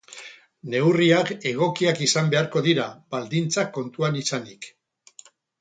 Neurriak egokiak izan beharko dira, baldintzak kontuan izanik.